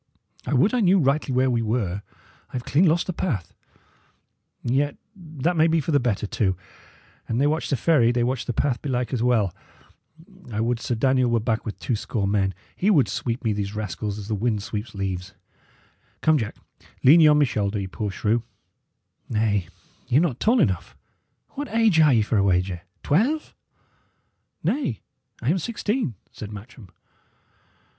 I would I knew rightly where we were. I have clean lost the path; yet that may be for the better, too. An they watch the ferry, they watch the path, belike, as well. I would Sir Daniel were back with two score men; he would sweep me these rascals as the wind sweeps leaves. Come, Jack, lean ye on my shoulder, ye poor shrew. Nay, y' are not tall enough. What age are ye, for a wager? twelve?" "Nay, I am sixteen," said Matcham.